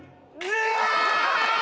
うわ！